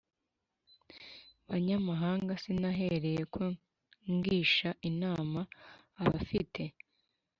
Banyamahanga sinahereye ko ngisha inama abafite